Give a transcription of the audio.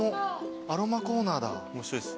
面白いっす。